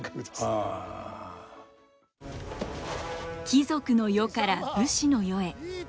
貴族の世から武士の世へ。